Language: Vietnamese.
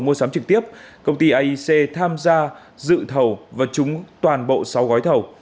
mua sắm trực tiếp công ty aic tham gia dự thầu và trúng toàn bộ sáu gói thầu